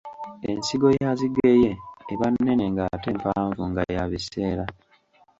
Ensingo ya zigeye eba nnene ngate mpanvu nga ya biseera.